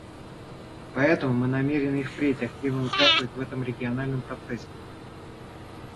Поэтому мы намерены и впредь активно участвовать в этом региональном процессе.